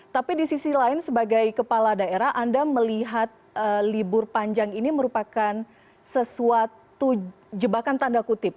tapi di sisi lain sebagai kepala daerah anda melihat libur panjang ini merupakan sesuatu jebakan tanda kutip